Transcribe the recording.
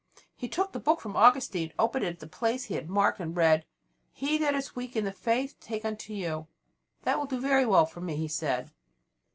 He took the book from Augustine, opened at the place he had marked, and read: "He that is weak in the faith take unto you." "That will do very well for me," he said.